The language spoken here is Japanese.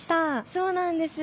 そうなんです。